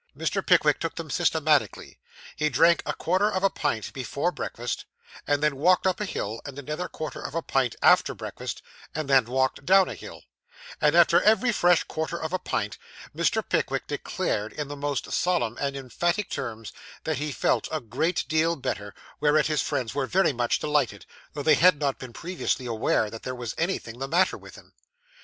Mr. Pickwick took them systematically. He drank a quarter of a pint before breakfast, and then walked up a hill; and another quarter of a pint after breakfast, and then walked down a hill; and, after every fresh quarter of a pint, Mr. Pickwick declared, in the most solemn and emphatic terms, that he felt a great deal better; whereat his friends were very much delighted, though they had not been previously aware that there was anything the matter with him.